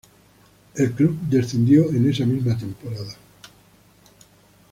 El club descendió en esa misma temporada.